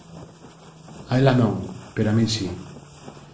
A ela non, pero a min si.